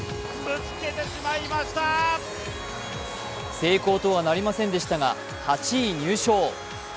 成功とはなりませんでしたが、８位入賞。